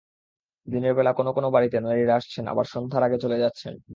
দিনের বেলা কোনো কোনো বাড়িতে নারীরা আসছেন, আবার সন্ধ্যার আগে চলে যাচ্ছেন।